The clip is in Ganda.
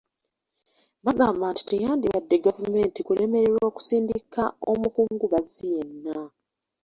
Bagamba nti teyandibadde gavumenti kulemererwa okusindika omukungubazi yenna.